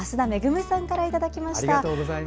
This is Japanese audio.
むさんからいただきました。